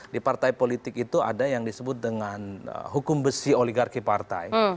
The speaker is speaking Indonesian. di partai politik itu ada yang disebut dengan hukum besi oligarki partai